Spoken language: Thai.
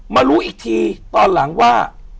มารู้อีกทีตอนหลังว่า